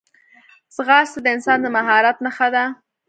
ځغاسته د انسان د مهارت نښه ده